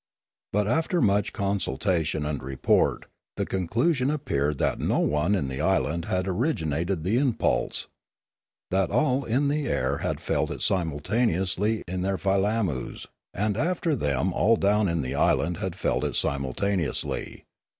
But after much consultation and report, the conclusion appeared that no one in the island had originated the impulse, that all in the air had felt it simultaneously in their filam mus, and after them all down in the island had felt it simultaneously.